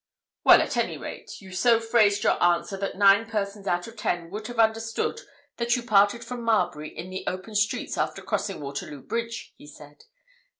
"Well, at any rate, you so phrased your answer that nine persons out of ten would have understood that you parted from Marbury in the open streets after crossing Waterloo Bridge," he said.